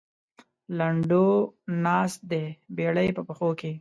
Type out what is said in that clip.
لنډو ناست دی بېړۍ په پښو کې.